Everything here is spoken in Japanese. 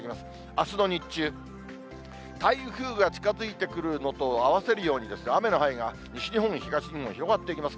あすの日中、台風が近づいてくるのとあわせるように、雨の範囲が西日本、東日本に広がっていきます。